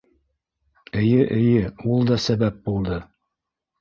Эйе, эйе, ул да сәбәп булды.